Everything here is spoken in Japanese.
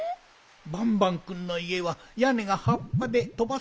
バンバンくんのいえはやねがはっぱでとばされやすいからね。